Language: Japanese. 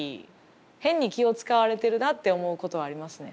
変に気を遣われてるなって思うことはありますね